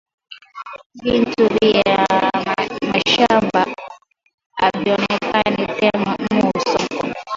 Bintu bia mashamba abionekane tena mu nsoko